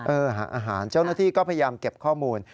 หาอาหารเจ้าหน้าที่ก็พยายามเก็บข้อมูล